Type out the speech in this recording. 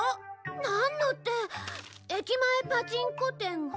なんのって「駅前パチンコ店本日開店」。